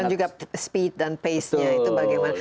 juga speed dan pace nya itu bagaimana